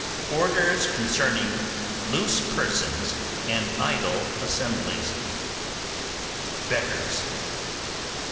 ORDERS CONCERNING LOOSE PERSONS AND IDLE ASSEMBLIES. Beggars.